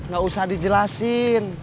gak usah dijelasin